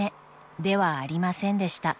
［ではありませんでした］